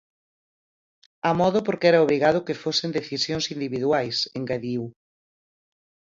Amodo porque era obrigado que fosen decisións individuais, engadiu.